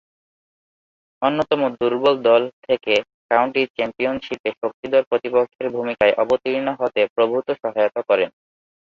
অন্যতম দূর্বল দল থেকে কাউন্টি চ্যাম্পিয়নশীপে শক্তিধর প্রতিপক্ষের ভূমিকায় অবতীর্ণ হতে প্রভূতঃ সহায়তা করেন।